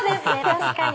確かに。